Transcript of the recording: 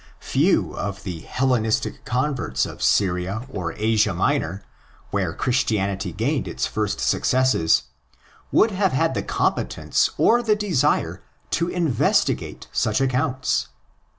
Few of the Hellenistic converts of Syria or Asia Minor, where Christianity gained its first successes, would have the competence or the desire to investigate such accounts.